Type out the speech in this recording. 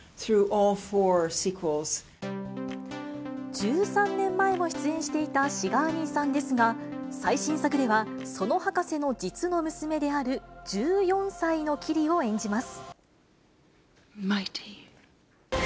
１３年前も出演していたシガーニーさんですが、最新作では、その博士の実の娘である１４歳のキリを演じます。